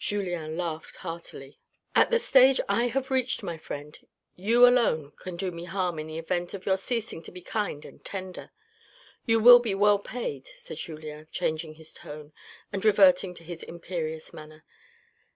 Julien laughed heartily. " At the stage I have reached, my friend, you alone can do me harm in the event of your ceasing to be kind and tender. You will be well paid," said Julien, changing his tone and reverting to his imperious manner.